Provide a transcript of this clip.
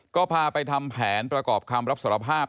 ก็พาไปทำแผนประกอบคำรับสารภาพ